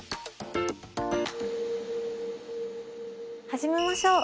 始めましょう。